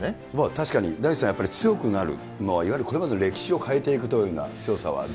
確かに、大地さん、やっぱり強くなる、いわゆるこれまでの歴史を変えていくというような強さはあると。